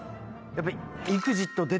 やっぱり。